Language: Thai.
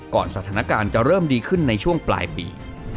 สถานการณ์จะเริ่มดีขึ้นในช่วงปลายปี